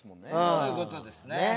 そういう事ですね。